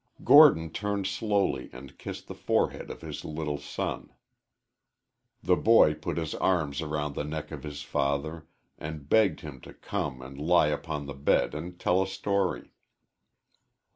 Gordon turned slowly and kissed the forehead of his little son. The boy put his arms around the neck of his father and begged him to come and lie upon the bed and tell a story.